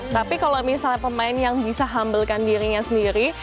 tapi kalau misalnya pemain yang bisa humblekan dirinya sendiri